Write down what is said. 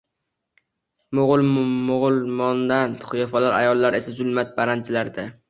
Mo‘g‘ulmonand qiyofalar, ayollar esa zulmat paranjilarida